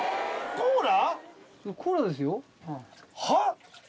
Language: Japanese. コーラですよ。